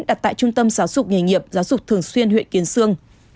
đặt tại trung tâm giáo dục nghề nghiệp giáo dục thường xuyên huyện kiến sương